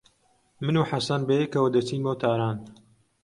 من و حەسەن بەیەکەوە دەچین بۆ تاران.